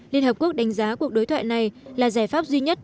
liên hợp quốc đánh giá cuộc đối thoại này là giải pháp duy nhất